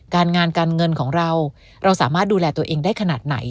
การงานการเงินของเราเราสามารถดูแลตัวเองได้ขนาดไหน